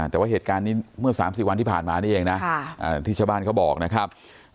แต่ว่าเหตุการณ์นี้เมื่อ๓๔วันที่ผ่านมานี่เองนะที่ชาวบ้านเขาบอกนะครับ